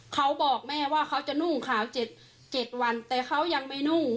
เขาบอกแม่ว่าเขาจะนุ่งขาว๗วันแต่เขายังไม่นุ่ง